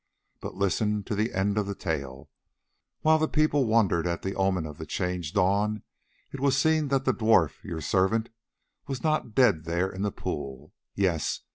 But listen to the end of the tale: While the people wondered at the omen of the changed dawn, it was seen that the dwarf, your servant, was not dead there in the pool. Yes!